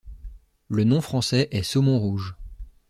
Le nom français est saumon rouge.